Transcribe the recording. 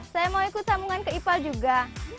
saya mau ikut sambungan ke ipal juga